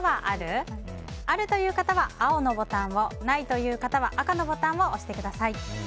あるという方は青のボタンをないという方は赤のボタンを押してください。